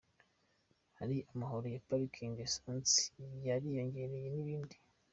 Hari amahoro ya parikingi, essence yariyongereye n’ibindi".